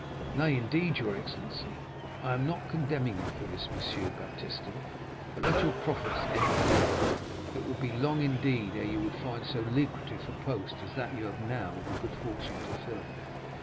"Nay, indeed, your excellency." "I am not condemning you for this, Monsieur Baptistin; but let your profits end here. It would be long indeed ere you would find so lucrative a post as that you have now the good fortune to fill.